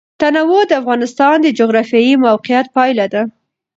تنوع د افغانستان د جغرافیایي موقیعت پایله ده.